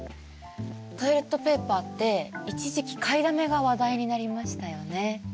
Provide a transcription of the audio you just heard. トイレットペーパーって一時期買いだめが話題になりましたよね。